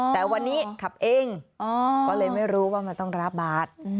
แต่วันนี้ขับเองก็เลยไม่รู้ว่ามันต้องรับบาท